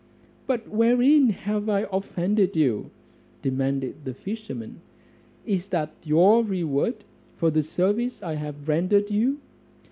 "But wherein have I offended you?" demanded the fisherman. "Is that your reward for the service I have rendered you?"